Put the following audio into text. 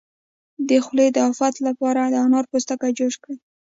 د خولې د افت لپاره د انار پوستکی جوش کړئ